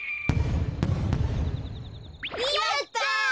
やった！